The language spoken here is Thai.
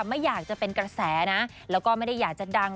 ไม่อยากจะเป็นกระแสนะแล้วก็ไม่ได้อยากจะดัง